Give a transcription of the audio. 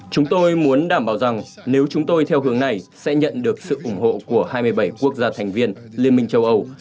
chúng tôi muốn đảm bảo rằng nếu chúng tôi theo hướng này sẽ nhận được sự ủng hộ của hai mươi bảy quốc gia thành viên liên minh châu âu